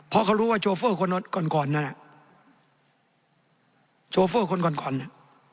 เพราะเขารู้ว่าโชเฟอร์คนก่อนก่อนนั้นอ่ะโชเฟอร์คนก่อนก่อนเนี่ย